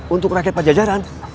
untuk rakyat pajajaran